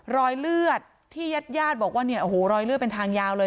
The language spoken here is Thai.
รอยเลือดที่ญาติบอกว่ารอยเลือดเป็นทางยาวเลย